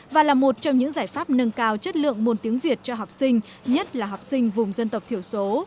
và là một trong những giải pháp nâng cao chất lượng môn tiếng việt cho học sinh nhất là học sinh vùng dân tộc thiểu số